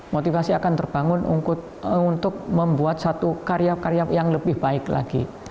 motivasi akan terbangun untuk membuat satu karya karya yang lebih baik lagi